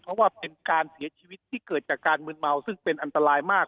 เพราะว่าเป็นการเสียชีวิตที่เกิดจากการมืนเมาซึ่งเป็นอันตรายมาก